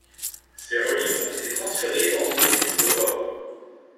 Ses reliques ont été transférées dans une église de Rome.